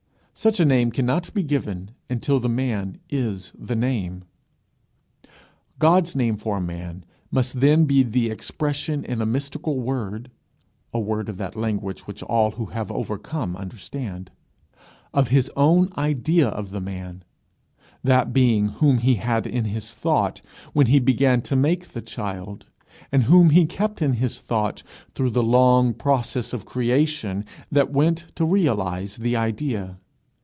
Such a name cannot be given until the man is the name. God's name for a man must then be the expression in a mystical word a word of that language which all who have overcome understand of his own idea of the man, that being whom he had in his thought when he began to make the child, and whom he kept in his thought through the long process of creation that went to realize the idea.